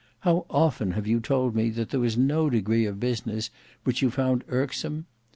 How often have you told me that there was no degree of business which you found irksome?